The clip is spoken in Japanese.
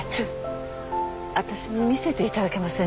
私に見せていただけませんか？